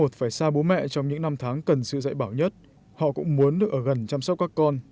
phải xa bố mẹ trong những năm tháng cần sự dạy bảo nhất họ cũng muốn được ở gần chăm sóc các con